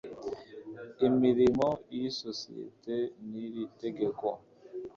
imirimo y isosiyete n iri tegeko